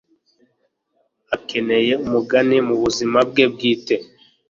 Akeneye umugani mu buzima bwe bwite